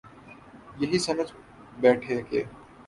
یہی سمجھ بیٹھے کہ